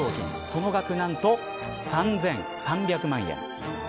その額、何と３３００万円。